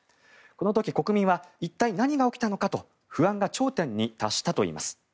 この時国民は一体何が起きたのかと不安が頂点に達したといいます。